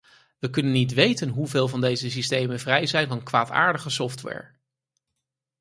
We kunnen niet weten hoeveel van deze systemen vrij zijn van kwaadaardige software.